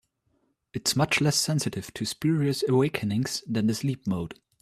Is much less sensitive to spurious awakenings than the sleep mode.